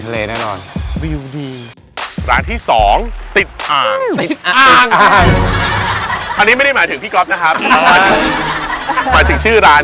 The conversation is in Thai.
ผมว่าในนี้ต้องมีร้านอาหารทะเลสักล้านหนึ่ง